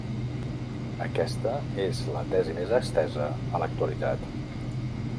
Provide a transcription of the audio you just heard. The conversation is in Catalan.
Aquesta és la tesi més estesa en l'actualitat.